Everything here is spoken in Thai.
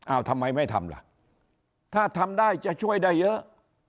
ทำไมไม่ทำล่ะถ้าทำได้จะช่วยได้เยอะ